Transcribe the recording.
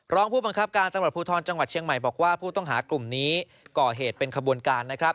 ร้องผู้บังคับการณ์สมัครผู้ท้อนจังหวัดเชียงใหม่บอกว่าผู้ต้องหากลุ่มนี้ก่อเหตุเป็นขบวนกัน